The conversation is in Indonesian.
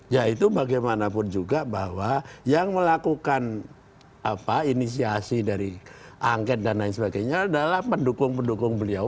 yaitu bagaimanapun juga bahwa yang melakukan inisiasi dari angket dan lain sebagainya adalah pendukung pendukung beliau